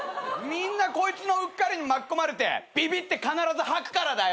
みんなこいつのうっかりに巻き込まれてビビって必ず吐くからだよ。